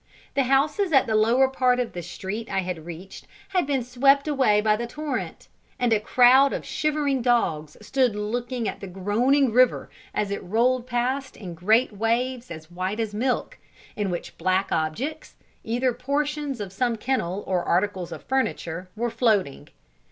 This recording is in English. The houses at the lower part of the street I had reached had been swept away by the torrent, and a crowd of shivering dogs stood looking at the groaning river as it rolled past in great waves as white as milk, in which black objects, either portions of some kennel or articles of furniture, were floating.